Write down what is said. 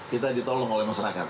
kita ditolong oleh masyarakat